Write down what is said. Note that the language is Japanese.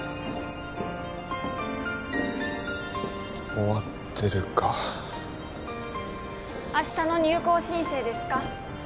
終わってるか明日の入構申請ですか？